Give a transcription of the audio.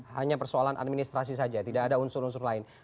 hanya persoalan administrasi saja tidak ada unsur unsur lain